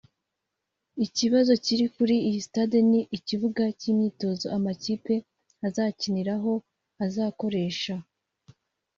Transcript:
Ikibazo kiri kuri iyi stade ni ikibuga cy’imyitozo amakipe azayikiniraho azakoresha